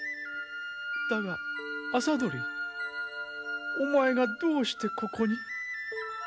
だが麻鳥お前がどうしてここに？